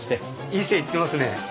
いい線いってますね。